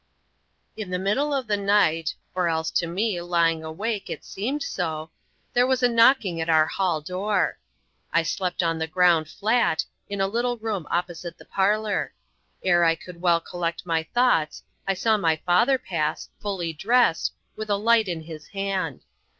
In the middle of the night or else to me, lying awake, it seemed so there was a knocking at our hall door. I slept on the ground flat, in a little room opposite the parlour. Ere I could well collect my thoughts, I saw my father pass, fully dressed, with a light in his hand.